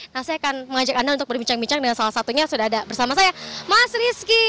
nah saya akan mengajak anda untuk berbincang bincang dengan salah satunya sudah ada bersama saya mas rizky